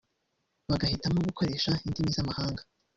bagahitamo gukoresha indimi z’amahanga